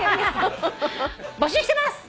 募集してます！